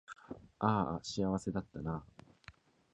あーあ幸せだったなー